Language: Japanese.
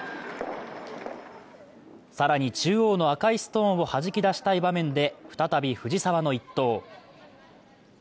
更に中央の赤いストーンを弾き出したい場面で再び藤澤の一投。